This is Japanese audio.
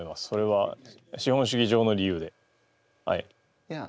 それは資本主義上の理由ではい。